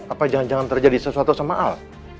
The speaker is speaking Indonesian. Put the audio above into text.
apa jangan jangan terjadi sesuatu sama hal